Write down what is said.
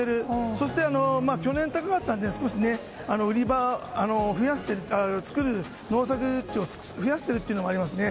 そして、去年高かったので売り場や農作地を増やしている影響もありますね。